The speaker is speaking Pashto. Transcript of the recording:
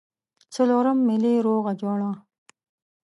څلورم ملي روغه جوړه.